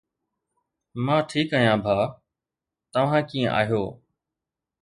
مان ٺيڪ آهيان ڀاءُ توهان ڪيئن آهيو؟